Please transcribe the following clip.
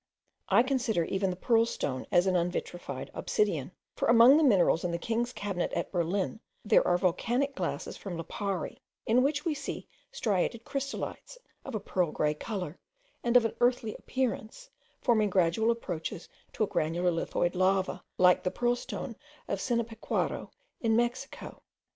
I consider even the pearlstone as an unvitrified obsidian: for among the minerals in the King's cabinet at Berlin there are volcanic glasses from Lipari, in which we see striated crystalites, of a pearl grey colour, and of an earthy appearance, forming gradual approaches to a granular lithoid lava, like the pearlstone of Cinapecuaro, in Mexico.